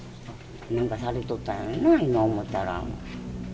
なんかされておったんやろな、今思ったら。